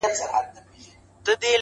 سترگي لكه دوې ډېوې!